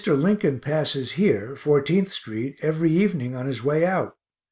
Lincoln passes here (14th st.) every evening on his way out.